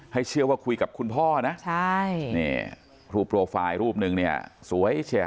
ให้เชื่อว่าคุยกับคุณพ่อนะรูปโปรไฟล์รูปนึงสวยเฉย